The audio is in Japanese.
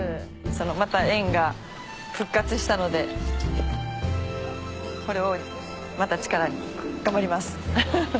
また縁が復活したのでこれをまた力に頑張ります。